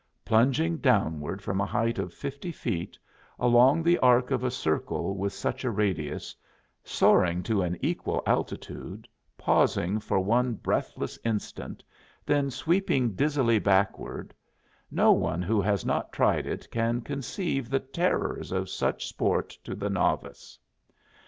Plunging downward from a height of fifty feet, along the arc of a circle with such a radius, soaring to an equal altitude, pausing for one breathless instant, then sweeping dizzily backward no one who has not tried it can conceive the terrors of such sport to the novice.